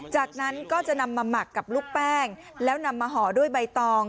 จากนั้นก็จะนำมาหมักกับลูกแป้งแล้วนำมาห่อด้วยใบตอง